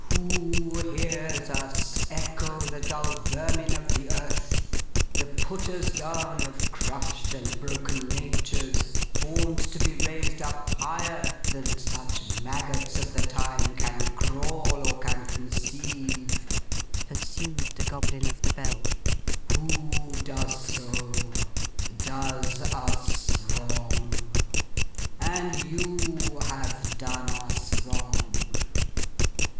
'Who hears us echo the dull vermin of the earth: the Putters Down of crushed and broken natures, formed to be raised up higher than such maggots of the time can crawl or can conceive,' pursued the Goblin of the Bell; 'who does so, does us wrong. And you have done us wrong!